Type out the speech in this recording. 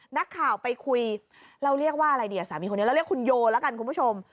นักข่าวไปคุยเราเรียกว่าอะไรดีอ่ะสามีคนนี้เราเรียกคุณโยแล้วกันคุณผู้ชม